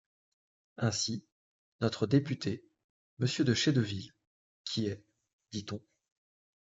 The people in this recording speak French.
Ainsi, notre député, monsieur de Chédeville, qui est, dit-on